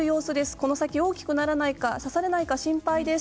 この先大きくならないか刺されないか心配です。